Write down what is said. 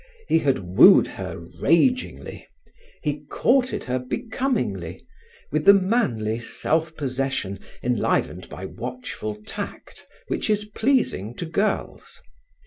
He had wooed her rageingly; he courted her becomingly; with the manly self possession enlivened by watchful tact which is pleasing to girls.